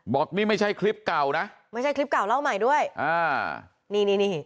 บอกนี่ไม่ใช่คลิปเก่านะไม่ใช่คลิปเก่าเล่าใหม่ด้วยอ่านี่นี่นี่